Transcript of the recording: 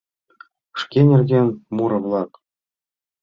ШКЕ НЕРГЕН МУРО-ВЛАК.